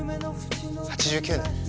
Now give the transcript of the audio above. ８９年。